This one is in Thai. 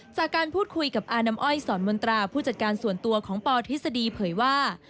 จากการพูดคุยกับอาน้ำอ้อยสอนมนตราผู้จัดการส่วนตัวของปทฤษฎีเผยว่า